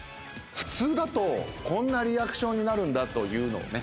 普通だとこんなリアクションになるんだというのをね